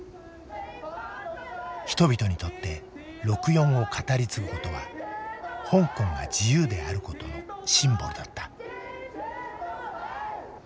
人々にとって六四を語り継ぐことは香港が自由であることのシンボルだった。